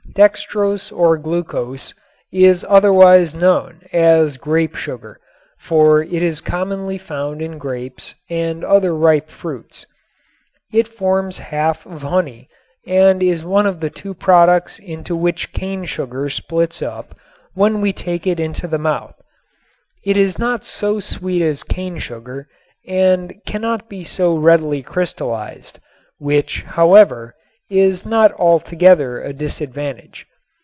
Dextrose or glucose is otherwise known; as grape sugar, for it is commonly found in grapes and other ripe fruits. It forms half of honey and it is one of the two products into which cane sugar splits up when we take it into the mouth. It is not so sweet as cane sugar and cannot be so readily crystallized, which, however, is not altogether a disadvantage.